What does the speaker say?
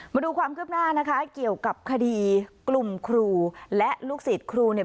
มาดูความคืบหน้านะคะเกี่ยวกับคดีกลุ่มครูและลูกศิษย์ครูเนี่ย